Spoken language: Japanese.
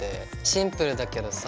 シンプルだけどさ